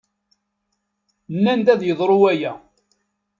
Nnan-ak ad yeḍru waya.